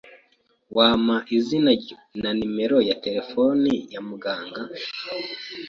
Wampa izina na numero ya terefone ya muganga?